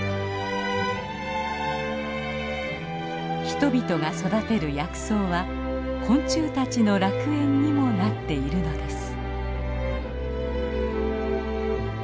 人々が育てる薬草は昆虫たちの楽園にもなっているのです。